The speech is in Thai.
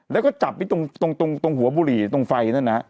แล้วก็จับไว้ตรงหัวบุหรี่ตรงไฟนั่นนะ